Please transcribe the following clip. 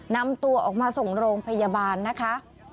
นำตัวออกมาส่งโรงพยาบาลนะคะ